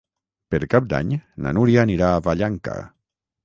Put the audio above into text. Per Cap d'Any na Núria anirà a Vallanca.